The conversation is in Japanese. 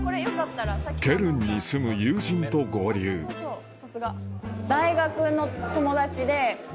ケルンに住む友人と合流そうだね。